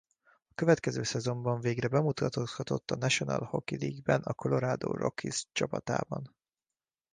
A következő szezonban végre bemutatkozhatott a National Hockey League-ben a Colorado Rockies csapatában.